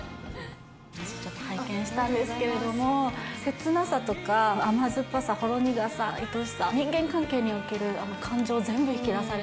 ちょっと拝見したんですけれども、切なさとか甘酸っぱさ、ほろ苦さ、いとしさ、人間関係における感情